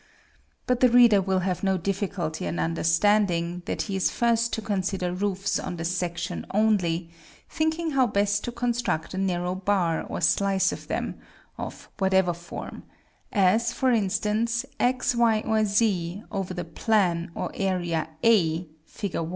But the reader will have no difficulty in understanding that he is first to consider roofs on the section only, thinking how best to construct a narrow bar or slice of them, of whatever form; as, for instance, x, y, or z, over the plan or area a, Fig.